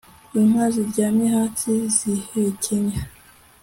inka ziryamye hasi zihekenya